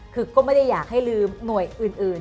คือก็ไม่ได้อยากให้ลืมหน่วยอื่น